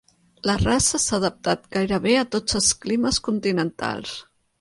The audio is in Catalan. La raça s'ha adaptat gairebé a tots els climes continentals.